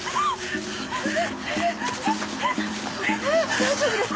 大丈夫ですか？